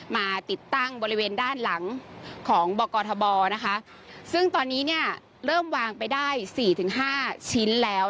มาติดตั้งบริเวณด้านหลังของบอกรทบซึ่งตอนนี้เริ่มวางไปได้๔๕ชิ้นแล้ว